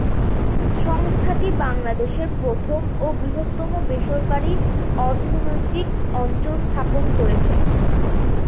সংস্থাটি বাংলাদেশের প্রথম ও বৃহত্তম বেসরকারী অর্থনৈতিক অঞ্চল স্থাপন করেছে।